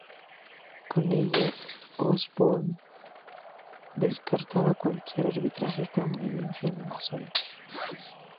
Con ello, Osborn descartaba cualquier arbitraje estadounidense en el asunto.